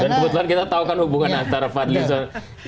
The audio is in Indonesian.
dan kebetulan kita tau kan hubungan antara fadlizon